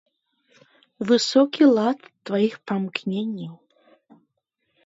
Высокі лад тваіх памкненняў!